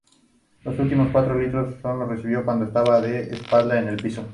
Los últimos cuatro tiros los recibió cuando estaba de espaldas en el piso.